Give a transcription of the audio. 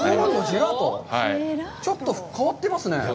ちょっと変わってますね。